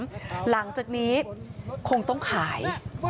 เจ้าของหลังจากนี้คงต้องขาย